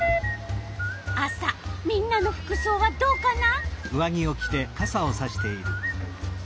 みんなの服そうはどうかな？